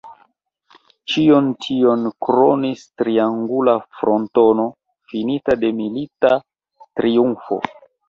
Ĉion tion kronis triangula frontono finita de milita triumfo.